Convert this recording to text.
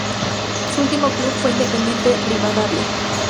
Su último club fue Independiente Rivadavia.